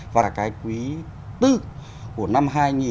và cái quý bốn của năm hai nghìn hai mươi bốn